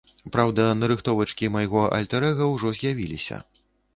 Праўда, нарыхтовачкі майго альтэр-эга ўжо з'явіліся.